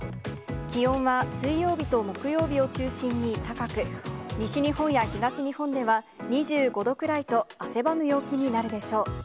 気温は水曜日と木曜日を中心に高く、西日本や東日本では２５度くらいと、汗ばむ陽気になるでしょう。